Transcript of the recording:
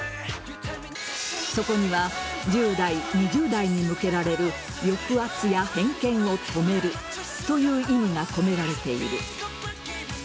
そこには１０代、２０代に向けられる抑圧や偏見を止めるという意味が込められている。